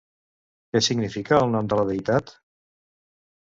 Què significa el nom de la deïtat?